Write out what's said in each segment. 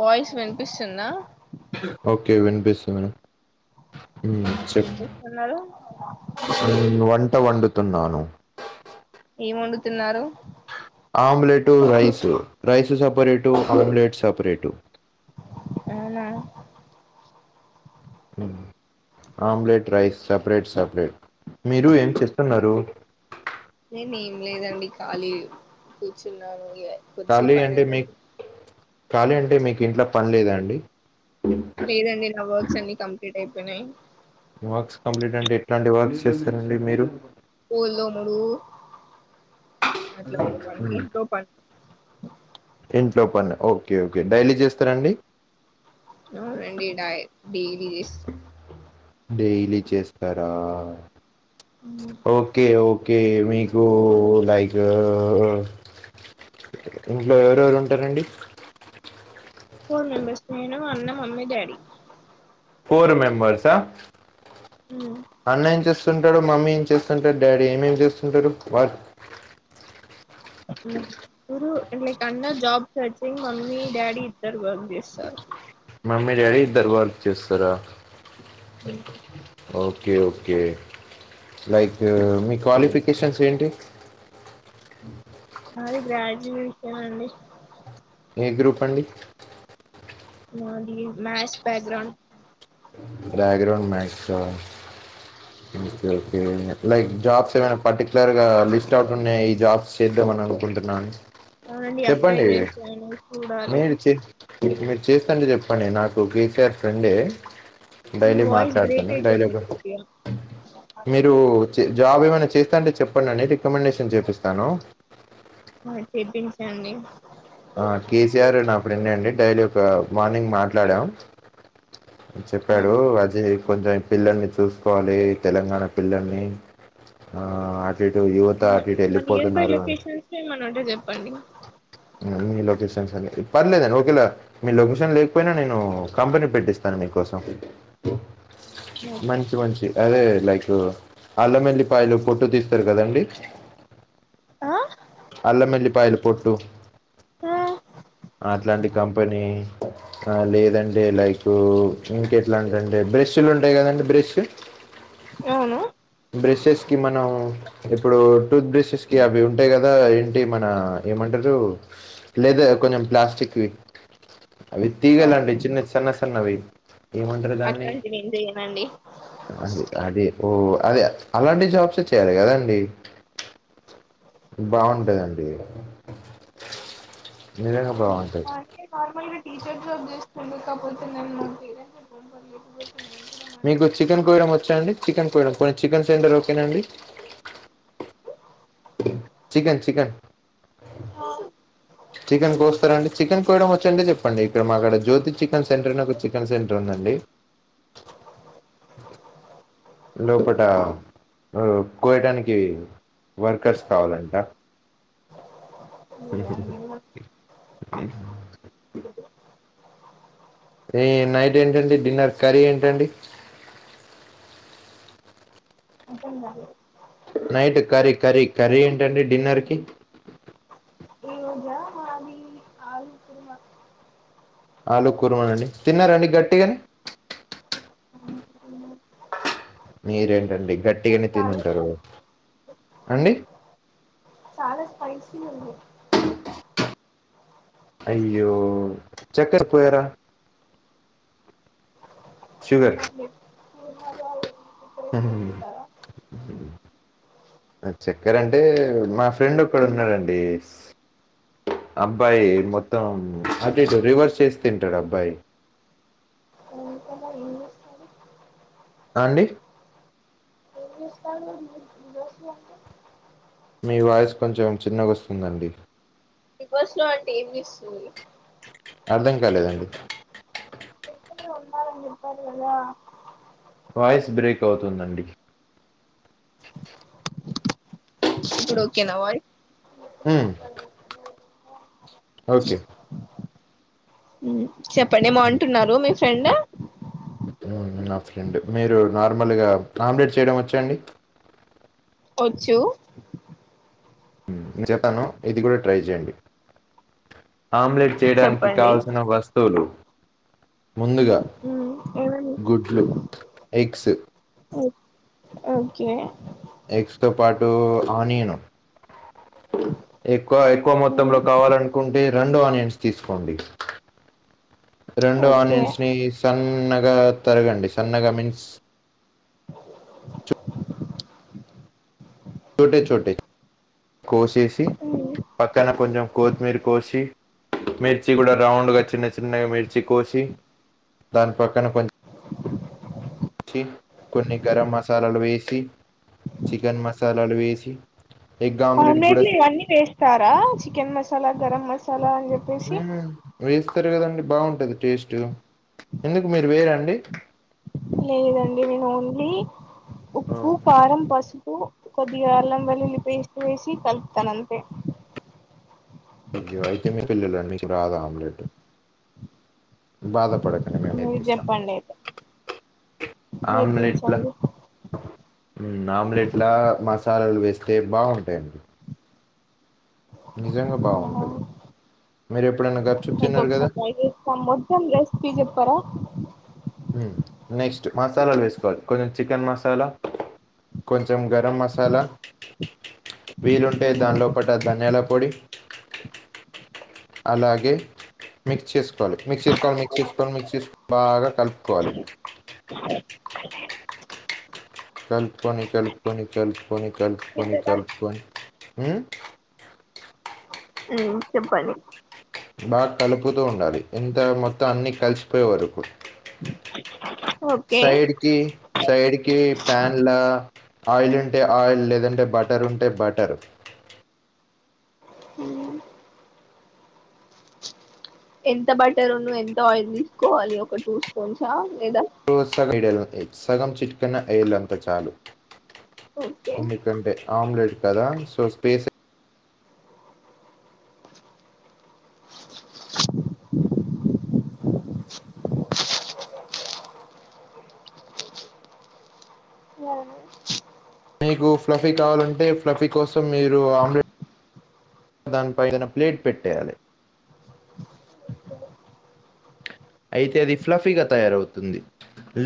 Voice వినిపిస్తుంద okay వీనిపిస్తుంద వినిపిస్తుందా తిన్నాను ఏం వండుతున్నారు. Omelette rice rice separate omelette separate అవునా ఆమ్లెట్ రైస్ సపరేట్ సపరేట్ మీరు ఏం చేస్తున్నారు నేను ఏం లేదండి ఖాళీ కూర్చున్నాను ఇగ కొద్ది ఖాళీ సేపు అంటే అయినంకా మీ ఖాళీ అంటే మీకు ఇంట్లో పని లేదా అండి లేదండి నా వర్క్స్ అన్ని కంప్లీట్ అయిపోయినయి వర్క్స్ కంప్లీట్ అంటే ఎట్లాంటి వర్క్స్ చేస్తారు అండి మీరు బోల్ తోముడు అట్లాంటి పనులు ఉమ్ ఇంట్లో పనులు ఇంట్లో పనా ఓకే ఓకే డైలీ చేస్తారా అండి ఎవరండీ నాయ [unintelligible] డెైలీ చేస్తారా ఓకే ఓకే ఓకే మీకు లైక్ ఇంట్లో ఎవరెవరు ఉంటారంండి ఫోర్ మెంబెర్స్ నేను అన్న మమ్మీ డాడీ ఫోర్ మెంబర్స్ ఆ అన్న ఏం చేస్తుం స్తుంటారు మమ్మీ ఏం చేస్తుంటారు డాడీ ఏమేం చేస్తుంటడు వాట్ ఉమ్ తురు అయామ్ లైక్ అన్న జాబ్ సర్చింగ్ మమ్మీ డాడీ ఇద్దరు వర్క్ చేస్తారు మమ్మీ డాడీ ఇద్దరు వర్క్ చేస్తారా ఉమ్ హూ ఓకే ఓకే లైక్ మీ క్వాలిఫికేషన్స్ ఏంటి చుపిస్తానండి ఏ గ్రూప్ అండి నాది maths background background maths ఆ ఒకె ఒకే ఎట్ల జాబ్స్ ఏమనా పర్టికులర్ గా లిస్ట్ ఔట్ ఉన్నయ్ ఈ జాబ్స్ చేద్దామని అనుకుంటున్నాను అవునండి అప్లై చెప్పండి చేసాను చూడాలి చేస్తంటె చెప్పండి నాకు కేసీఆర్ ఫ్రెండే మీ డైలీ వాయిస్ బ్రేక్ మాట్లాడుతాను డైలీ అయితుంది కొద్దిగా మీరు జాబ్ ఏమైనా చేస్ డె చెప్పండండి రికమెండేషన్ చేపిస్తాను చండి ఆ కేసీఆర్ అ అప్పుడుండండి డైరెక్ట్ గా మార్నింగ్ మాట్లాడాం చెప్పాడు అవునా అజయ్ కొంచెం పిల్లల్ని చూసుకోవాలి తెలంగాణ పిల్లల్ని ఆ అటు ఇటు యువత మా అటు ఇటు మా నియర్ బై ఎళ్ళిపోతున్నారు లొకేషన్స్ ఏమన్నా చెప్పండి మీ లొకేషనన్స్ అ పర్లేదండి ఓకేలా మీ లొకేషన్ లేకపోయినా నేను కంపెనీ పెట్టిస్తాను మీకోసం ఓకే మంచి మంచి అదే లైక్ అల్లమెల్లిపాయలు పొట్టు తీస్తారు కదండి ఆ అల్లమెల్లిపాయలు పొట్టు ఆ అట్లాంటి కంపెనీ ఆ లేదంటే లైక్ ఇంక ఎట్లాంటి దంటె బ్రష్లు ఉంటాయి కదండి బ్రష్ అవును బ్రెషెస్ కి మనం ఇప్పుడు టూత్ బ్రషెస్ కి అవి ఉంటాయి కదా ఏంటి మన ఏమంటారు లేదర్ కొంచెం ప్లాస్టిక్వి అవి తీగలండి చిన్న చిన్న న్నవే పటుకండి నేం చెయనండి అదే అదే ఓ అదే అలాంటి జాబ్సే చేయాలి కదండి బాగుంటందండి నిజంగా బాగుంటది అే నార్మల్గా టీచర్ జాబ్ చేస్తుండే కాకపోతే నేను మ పేరెంట్ మీకు చికెన్ కోయడం వచ్చాండి చికెన్ కోయడం పొని చికెన్ సెంటర్ ఒక్కేనాండి చికెన్ చికెన్ ఆ చికెన్ కోస్తారంండి చికెన్ కోయడం వచ్చంటే చెప్పండి ఇక్కడ మాక్కడ జ్యోతి చికెన్ సెంటర్ని ఒక చికెన్ సెంటర్ ఉందండి లోపల కోయటానికి వర్కర్స్ కావాలంట ఈ నైట్ ఏంటండి డిన్నర్ కర్రీ ఏంటండి అర్థం కాలే నైట్ కర్రీ కర్రీ కర్రీ ఏంటండి డిన్నర్కి ఏజాది ఆవి ఆలు కూరమనండి తిన్నారాండి గట్టిగాని ఉవాళ్ళు నీరేంటండి గట్టిగానే తినింటారు అండి చాాలా స్పైసి ఉంది అయ్యో చక్కర్ పోయరా షుగర్ చక్కర అంటే మా ఫ్రెండ్ ఒకక్కడ ఉన్నాడండి అబ్బాయి మొత్తం అ రివర్స్ చేసి తింటాడు అబ్బాయి బిగ్ బాస్ లో ఏం చేస్తారు అండి [unintelligible] మీ వాయిస్ కొంచెం చిన్నగస్తుందండి బిగ్ బస్ లో అంటే ఏం చేస్తారు అర్థం కాలేదండి ఉన్నారూ అని చెప్పారు కదా వాయిస్ బ్రేక్ అవుతుందండి ఇప్పుడు ఓకేనా వయ అ ఓకే ఉ చెప్పండి బాగుంటున్నారు మీే ఫ్రెండ్ నా ఫ్రెండ్ మీరు నార్మల్గా ఆమ్లెట్ చేయడం వచ్చాండి వచ్చు నేను చెతాను ఇది కూడా ట్రై చేయండి ఆమ్లెట్ చేయడానికి చెప్పండి కావల్సిన వస్తువులు ముందుగా ఏమేమి గుడ్లు ఎగ్స్ ఓకే ఎగ్స్ తో పాటు ఆనియను ఎక్కువ ఎక్కువ మొత్తంలో కావాలనుకుంటే రెండు ఆనియన్స్ తీసుకోండి రెండు ఓకే ఆనియన్స్ ని సన్న గా తరగండి సన్నగా మీన్స్ చోటే చోటే కోస్ చేసి పక్కన కొంచెం కొత్తిమీర్ కోసి మిర్చి కూడా రౌండ్గా చిన్న చిన్నగా మిర్చి కోసి దాని పక్కన కొంచం కొన్ని గరం మసాలాలు వేసి చికెన్ మసాలాలు వేసి ఎగ్ ఆమ్లెట్ కూడా లో ఇవన్నీ వేస్తారా చికెన్ మసాలా గరం మసాలా అని చెప్పేసి ఏస్ వస్తారు కదండి బాగుంటది టేస్ట్ ఎందుకు మీరు వేయరండి లేదండి నేను ఓన్లీ ఆ, ఉప్పు కారం పసు ప్పు కొద్దిగా అల్లంవెల్లులి పేస్ట్ వేసి కల్పుతానంతే అయితే మీ పిల్లల నీకు రాద ఆమ్లెట్ బాధపడక నేనే మీరు నేర్పిస్తా చెప్పండి అయితే ఆమ్లెట్ల నేర్పించండి అ ఆమ్లెట్లా మాస్ సాలలు వేస్తే బాగుంటాయండి నిజంగా ఆహా బాగుంటది. మీరెప్పుడైనా గప్‌చుప్ అతే ఒక తిన్నారు గదా! సార్ ట్రై చేస్తాం మొత్తాం రెసిపీ చెప్పారా ఉ నెక్స్ట్ మసాలాలు వేసుకోవాలి కొంచెం చికెన్ మసాలా కొంచెం గరం మసాలా వీలుంటే దాంలో ఒక డజ్ గంగాల పొడి అలాగే మిక్స్ చేసుకోవాలి మిక్స్ చేసుకోవాలి మిక్స్ చేసుకోని మిక్స్ చేసుకొని మిక్స్ చేసుకొని బాగా కలుపుకోవాలి కలుపుకొని కలుపుకొని కలుపుకొని కలుపుకొని కలుపుకొని ఉ ఉ చెప్పండి బాగా కలుపుతూ ఉండాలి ఇంత మొత్తం అన్నీ కలిసిపోయే వరకు ఓకే సైడ్ కి సైడ్ కి ప్యాన్ల ఆయిల్ ఉంటే ఆయిల్ లేదంటే బటర్ ఉంటే బటర్ ఎంత బట్టర్ ఉన్న ఎంత ఆయిల్ తీసుకోవాలి ఒక టూ స్పూన్ చ లేదా [unintelligible] సగం చిట్కన్న ఏల్ అంత చాలు ఓకే ఎందుకంటే ఆమ్లెట్ కదా సో స్పేస్ మీకు ఫ్లఫీ కావాలంటే ఫ్లఫీ కోసం మీరు ఆమ్లెట్ దానిపై ఏదైనా ప్లేట్ పెట్టేయాలే అయితే అది ఫ్లఫీగా తయారవుతుంది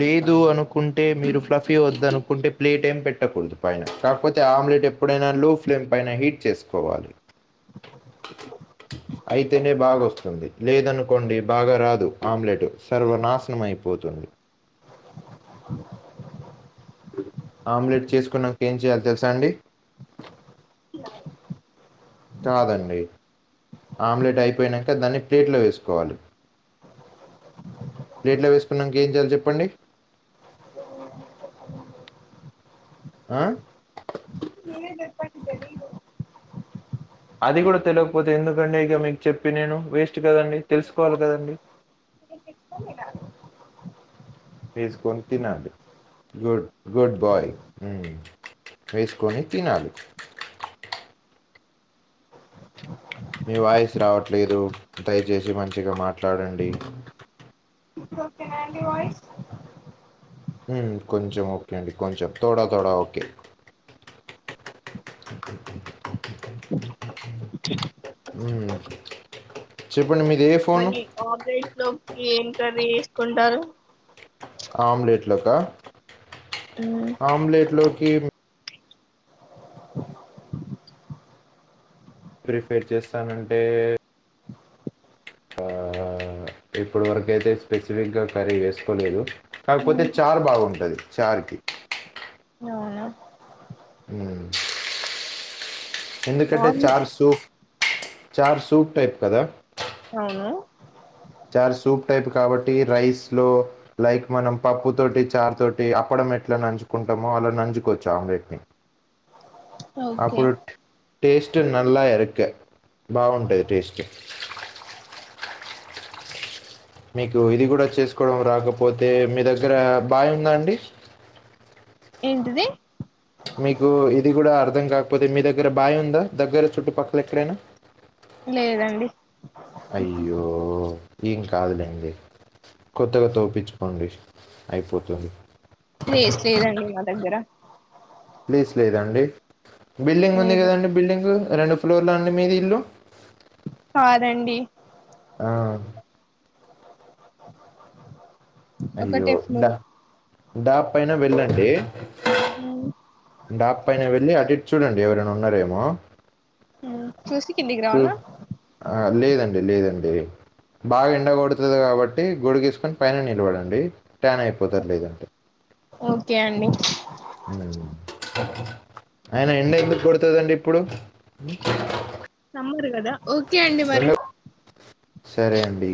లేదు అనుకుంటే మీరు ఫ్లఫీ వదు అనుకుంటే ప్లేట్ ఏం పెట్టకూడదు పైన కాకపోతే ఆమ్లెట్ ఎప్పుడైనా లో ఫ్లేమ్ పైన హీట్ చేసుకోవాలి అయితేనే బాగా వస్తుంది లేదనుకోండి బాగా రాదు ఆమ్లెట్ సర్వనాశనంమైపోతుంది ఆమ్లెట్ చేసుకున్నాక ఏం చేయాలో తెలుసా అండి కాదండి ఆమ్లెట్ అయిపోయినంక దాన్ని ప్లేట్లో వేసుకోవాలి ప్లేట్లో వేసుకున్నాక ఏం చేయాలి చెప్పండి ఆ మీరే చెప్పండి తెలీదు అది కూడా తెలియకపోతే ఎందుకంటే ఇక మీకు చెప్పి నేను వేస్ట్ కదండి తెలుసుకోవాలి కదండి వేసుకొని తినాలి గుడ్ గుడ్ బాయ్ ఉమ్ వేసుకొని తినాలి మీ వాయిస్ రావట్లేదు దయచేసి మంచిగా మాట్లాడండి ఇప్పుడు ఓకేన అండి వాయిస్ ఉమ్ కొంచెం ఓకే అండి కొంచెం తోడా తోడా ఓకే ఉమ్ చెప్ మరి ఆన్లైట్ లోకి ఏం కర్రి కొంటారు ఆమ్లెట్ లోకా ఆమ్లెట్ లో హీడ్ ప్రిఫేర్ చేస్తానంటే ఆ ఇప్పటి వరక అయితే స్పెసిఫిక్గా కర్రీ వేసుకోలేదు కాకపోతే చార్ బాగుంటంది చార్ కి అవునా అమ్ ఎందుకంటే ఆమ్లె చార్ సూ చార్ సూప్ టైప్ కదా అవును చార్ సూప్ టైప్ కాబట్టి రైస్ లో లైక్ మనం పప్పు తోటి చార్ తోటి అప్పడం ఎట్లా నంచుకుంటామో అలా నంచుకోవచ్చు ఆమ్లెట్ని ఓకే అప్పుడు టేస్ట్ నలా ఎరికా బాగుంటది టేస్ట్ మీకు ఇది కూడా చేసుకోవడం రాకపోతే మీ దగ్గర బావి ఉందా అండి ఏంటిది మీకు ఇది కూడా అర్థం కాకపోతే మీ దగ్గర బావి ఉందా దగ్గర చుట్టుపక్కల ఎక్కడైనా లేదండి అయ్యో ఏం కాదులేండి కొత్తగా తోపించుకోండి అయిపోతుంది ప్లేస్ లేదండి మా దగ్గర ప్లేస్ లేదండి బిల్డింగ్ ఉంది లేదు కదండి బిల్డింగ్ రెండు ఫ్లోర్లా అండి మీ ఇల్లు కాదండి ఆ అయ్యో ఒకటే ఫ్లోర్ డాబా పైన వెళ్ళండి డాబ్ పైన వెళ్ళి అటు ఇటు చూడండి ఎవరైనా ఉన్నారేమో ఆమ్ ఉమ్ ఆ లేదండి లేదండి బాగా ఎండ కొడుతుంది కాబట్టి గుడి గేసుకొని పైన నిలబడండి ట్యాన్ అయిపోతారు లేదంటే ఓకే అండి హ్మ్మ్ అయినా ఎండ ఎందుకు కొడతదండి ఇప్పుడు నమ్మరు కదా ఓకే అండి మరి ఎండ సరే అండి